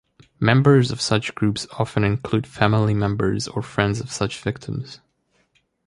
Members of such groups often include family members or friends of such victims.